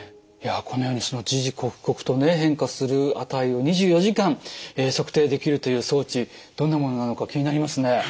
いやこのようにその時々刻々とね変化する値を２４時間測定できるという装置どんなものなのか気になりますね。